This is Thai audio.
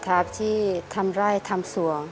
อาชีพทำไร้ทำสวง